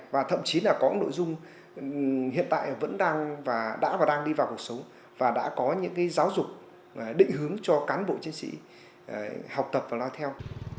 và thậm chí là có nội dung hiện tại vẫn đang và đã và đang đi vào cuộc sống và đã có những giáo dục định hướng cho cán bộ chiến sĩ học tập và lao theo